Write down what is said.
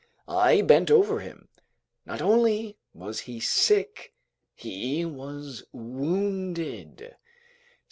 I bent over him. Not only was he sick, he was wounded.